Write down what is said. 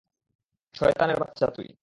শয়তানের বাচ্চা তুই।